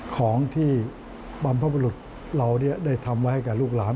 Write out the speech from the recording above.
ของที่บรรพบรุษเราได้ทำไว้กับลูกหลาน